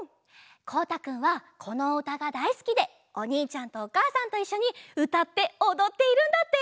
こうたくんはこのうたがだいすきでおにいちゃんとおかあさんといっしょにうたっておどっているんだって！